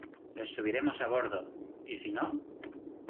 les subiremos a bordo. ¿ y si no?